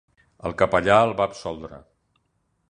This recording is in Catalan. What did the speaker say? El capellà el va absoldre.